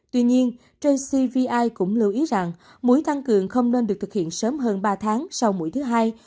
tuy nhiên jcvi cũng lưu ý rằng muối tăng cường không nên được thực hiện sớm hơn ba tháng sau mũi thứ hai